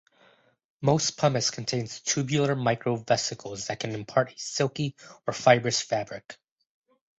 Most pumice contains tubular microvesicles that can impart a silky or fibrous fabric.